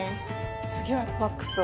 次はワックスを。